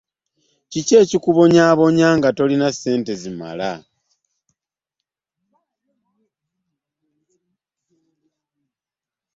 Kiki ekikubonyabonya ng'atalina ssente zimala?